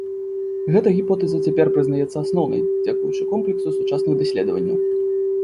Гэта гіпотэза цяпер прызнаецца асноўнай дзякуючы комплексу сучасных даследаванняў.